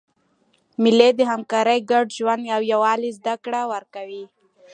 مېلې د همکارۍ، ګډ ژوند او یووالي زدهکړه ورکوي.